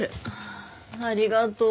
ありがとう。